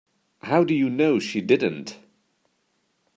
How do you know she didn't?